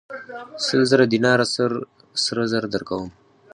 سل زره دیناره سره زر درکوم.